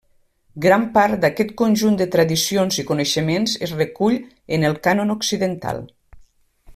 Gran part d'aquest conjunt de tradicions i coneixements es recull en el cànon occidental.